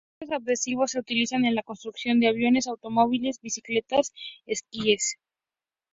Estos adhesivos se utilizan en la construcción de aviones, automóviles, bicicletas, esquíes.